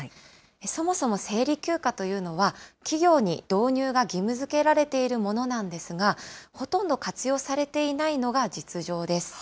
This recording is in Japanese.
そもそも生理休暇というのは企業に導入が義務づけられているものなんですが、ほとんど活用されていないのが実情です。